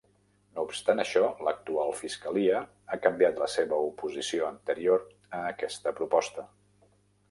No obstant això, l'actual fiscalia ha canviat la seva oposició anterior a aquesta proposta.